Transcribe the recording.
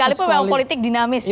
sekalipun memang politik dinamis ya